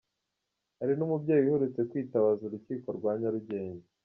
Hari n’umubyeyi uherutse kwitabaza urukiko rwa Nyarugenge